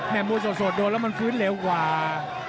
มวยสดโดนแล้วมันฟื้นเร็วกว่า